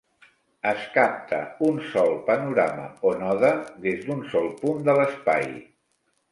Es capta un sol panorama, o "node" des d'un sol punt de l'espai.